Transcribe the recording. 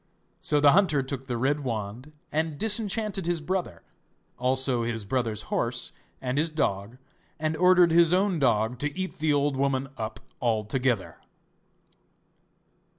So the hunter took the red wand and disenchanted his brother, also his brother's horse, and his dog, and ordered his own dog to eat the old woman up altogether.